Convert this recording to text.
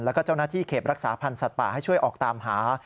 แล้วก็เจ้าหน้าที่เขตรักษาพันธ์สัตว์ป่าให้ช่วยออกตามหา